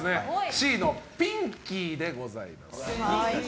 Ｃのピンキーでございます。